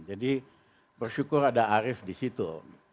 jadi bersyukur ada arief disitu